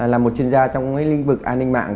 là một chuyên gia trong lĩnh vực an ninh mạng